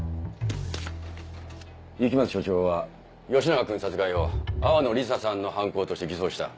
雪松署長は吉長君殺害を淡野リサさんの犯行として偽装した。